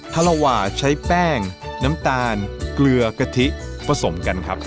ลาวาใช้แป้งน้ำตาลเกลือกะทิผสมกันครับ